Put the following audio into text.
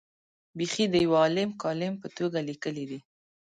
بېخي د یوه عالي کالم په توګه لیکلي دي.